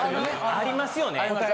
ありますよね？